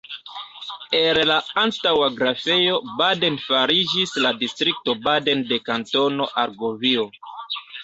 El la antaŭa Grafejo Baden fariĝis la distrikto Baden de Kantono Argovio.